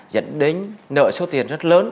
dẫn đến nợ số tiền rất lớn